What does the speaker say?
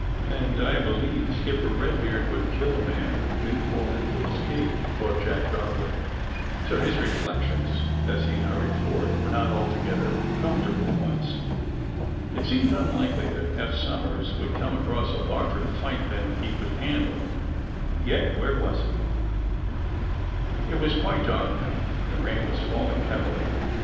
*'And I believe Skipper Eedbeard would kill a man in order to escape, '' thought Jack darkly. So his reflections, as he hurried forth, were not altogether comfortable ones. It seemed unlikely that Eph Somers would come across a larger fight than he could handle — yet where was hef It was quite dark now, and the rain was fall ing heavily.